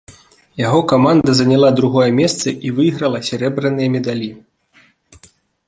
Яго каманда заняла другое месца і выйграла сярэбраныя медалі.